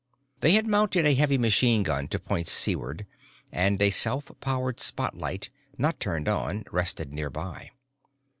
They had mounted a heavy machine gun to point seaward and a self powered spotlight, not turned on, rested nearby.